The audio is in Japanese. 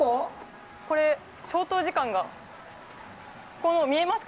これ、消灯時間が。見えますか？